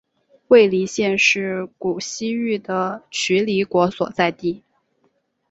尉犁县是古西域的渠犁国所在地。